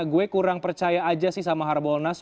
gue kurang percaya aja sih sama harbolnas